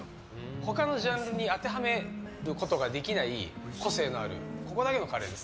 他のジャンルに当てはめることができない個性のあるここだけのカレーです。